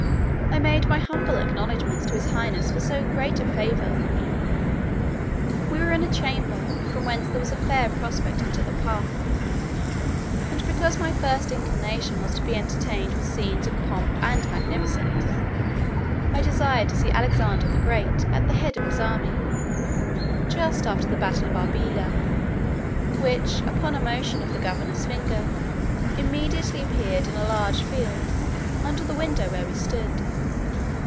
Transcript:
I made my humble acknowledgments to his highness for so great a favour. We were in a chamber, from whence there was a fair prospect into the park. And because my first inclination was to be entertained with scenes of pomp and magnificence, I desired to see Alexander the Great at the head of his army, just after the battle of Arbela: which, upon a motion of the governor's finger, immediately appeared in a large field, under the window where we stood.